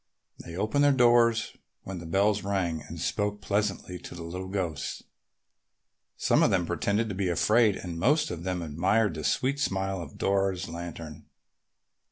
They opened their doors when the bells rang and spoke pleasantly to the little ghosts. Some of them pretended to be afraid and most of them admired the sweet smile of Dora's lantern.